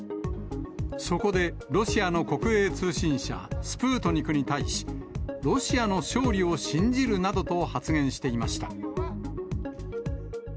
そこでロシアの国営通信社、スプートニクに対し、ロシアの勝利を信じるなどと発言していました。